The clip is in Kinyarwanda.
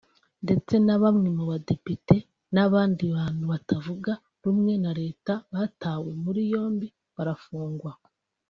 ndetse na bamwe mu badepite n’abandi bantu batavuga rumwe na Leta batawe muri yombi barafungwa